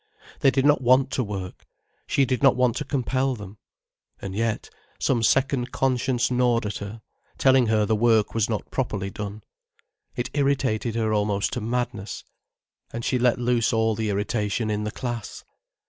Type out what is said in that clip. They did not want to work, she did not want to compel them. And yet, some second conscience gnawed at her, telling her the work was not properly done. It irritated her almost to madness, and she let loose all the irritation in the class.